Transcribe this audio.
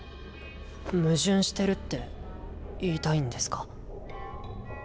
矛盾してるって言いたいんですか？